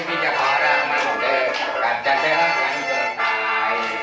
พี่จะขอรักมันเธอกับจันทร์เธอรักมันจนตาย